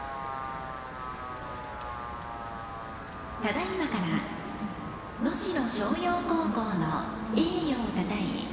ただいまから能代松陽高校の栄誉をたたえ